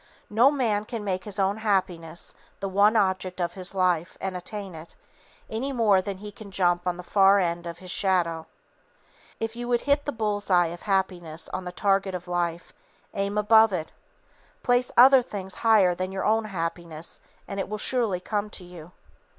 No man can make his own happiness the one object of his life and attain it, any more than he can jump on the far end of his shadow. If you would hit the bull's eye of happiness on the target of life, aim above it. Place other things higher than your own happiness and it will surely come to you.